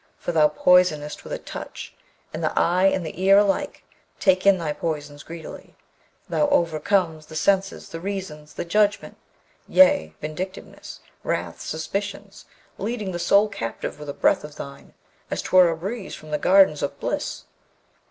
for thou poisonest with a touch; and the eye and the ear alike take in thy poisons greedily. Thou overcomest the senses, the reason, the judgment; yea, vindictiveness, wrath, suspicions; leading the soul captive with a breath of thine, as 'twere a breeze from the gardens of bliss.'